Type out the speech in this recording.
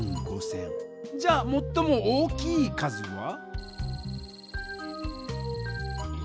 じゃあもっとも大きい数は？